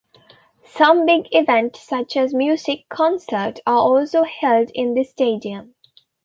Some big event such as music concert are also held in this stadium.